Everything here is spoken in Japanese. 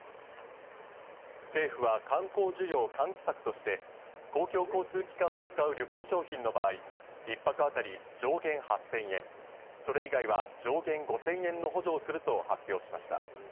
政府は観光需要喚起策として公共交通機関を使う旅行商品の場合、１泊あたり上限８０００円、それ以外は上限５０００円の補助をすると発表しました。